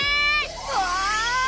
うわ！